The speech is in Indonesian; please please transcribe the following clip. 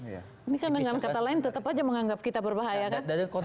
ini kan dengan kata lain tetap aja menganggap kita berbahaya kan